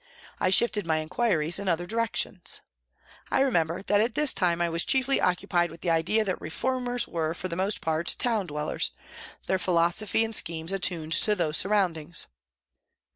I shifted my inquiries in other directions. I remember that at this time I was chiefly occupied with the idea that reformers were for the most part town dwellers, their philo sophy and schemes attuned to those surroundings.